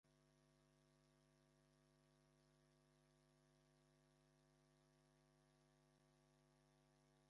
As a result, this particular reaction produces only the Hofmann product.